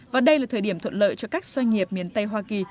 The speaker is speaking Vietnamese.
và đây là thời điểm thuận lợi cho các doanh nghiệp miền tây hoa kỳ